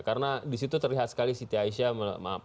karena disitu terlihat sekali siti aisyah